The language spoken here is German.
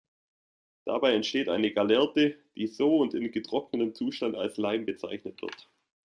Dabei entsteht eine Gallerte, die so und in getrocknetem Zustand als „Leim“ bezeichnet wird.